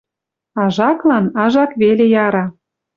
Ажаклан ажак веле яра.